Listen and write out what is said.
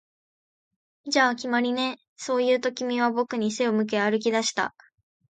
「じゃあ、決まりね」、そう言うと、君は僕に背を向け歩き出した